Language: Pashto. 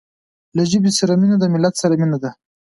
له ژبې سره مینه د ملت سره مینه ده.